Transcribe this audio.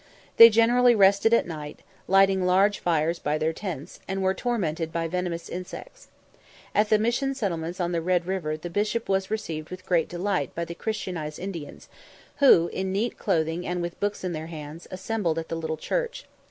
They generally rested at night, lighting large fires by their tents, and were tormented by venomous insects. At the Mission settlements on the Red River the Bishop was received with great delight by the Christianized Indians, who, in neat clothing and with books in their hands, assembled at the little church.